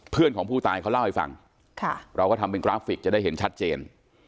เพื่อนของผู้ตายเขาเล่าให้ฟังเราก็ทำเป็นกราฟิกจะได้เห็นชัดเจน